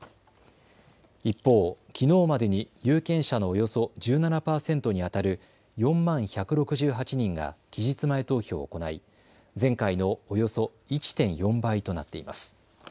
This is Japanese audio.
一方、きのうまでに有権者のおよそ１７％にあたる４万１６８人が期日前投票を行い前回のおよそ１．４倍となっています。